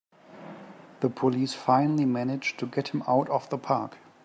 The police finally manage to get him out of the park!